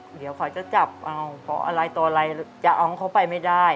เดี๋ยวเขาจะจับเอาเพราะอะไรต่ออะไรจะเอาเขาไปไม่ได้